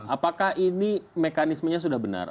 apakah ini mekanismenya sudah benar